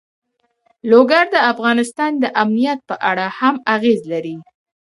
لوگر د افغانستان د امنیت په اړه هم اغېز لري.